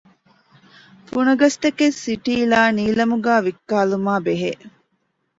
ފުނަގަސްތަކެއް ސިޓީލާ ނީލަމުގައި ވިއްކާލުމާއިބެހޭ